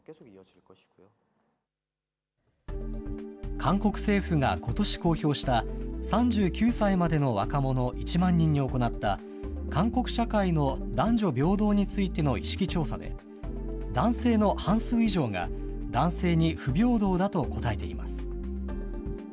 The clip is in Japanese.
韓国政府がことし公表した、３９歳までの若者１万人に行った、韓国社会の男女平等についての意識調査で、男性の半数以上が、男性に不平等だと答えています。